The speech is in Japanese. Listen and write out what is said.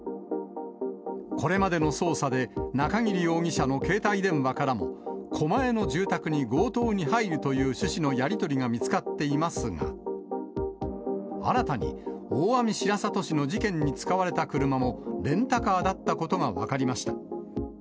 これまでの捜査で、中桐容疑者の携帯電話からも、狛江の住宅に強盗に入るという趣旨のやり取りが見つかっていますが、新たに、大網白里市の事件に使われた車も、レンタカーだったことが分かりました。